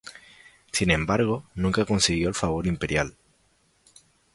Sin embargo, nunca consiguió el favor imperial.